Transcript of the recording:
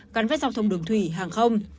gắn với giao thông đường thủy hàng không